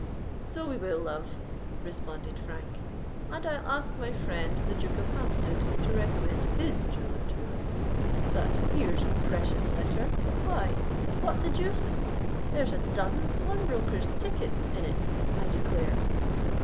"So we will, love," responded Frank; "and I'll ask my friend the Duke of Hampstead to recommend his jeweller to us. But here's a precious letter! Why—what the deuce? There's a dozen pawnbroker's tickets in it, I declare!"